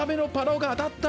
おが当たった！